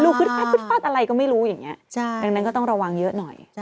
ฟึ๊ดอะไรก็ไม่รู้อย่างนี้ดังนั้นก็ต้องระวังเยอะหน่อย